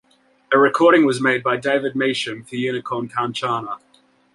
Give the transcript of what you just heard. A recording was made by David Measham for Unicorn Kanchana.